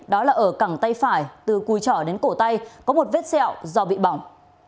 đó là ở cẳng tay phải từ cùi trỏ đến cổ tay có một vết xẹo do bị bỏng